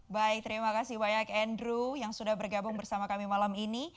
baik terima kasih banyak andrew yang sudah bergabung bersama kami malam ini